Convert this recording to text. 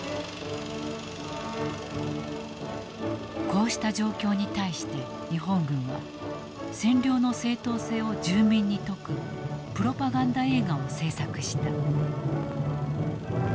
こうした状況に対して日本軍は占領の正当性を住民に説くプロパガンダ映画を制作した。